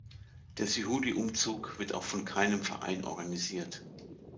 Der Sühudi-Umzug wird auch von keinem Verein organisiert.